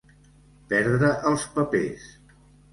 Perdre els papers.